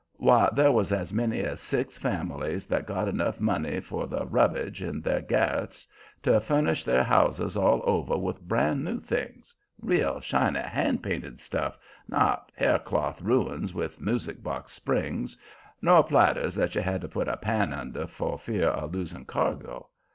Why there was as many as six families that got enough money for the rubbage in their garrets to furnish their houses all over with brand new things real shiny, hand painted stuff, not haircloth ruins with music box springs, nor platters that you had to put a pan under for fear of losing cargo.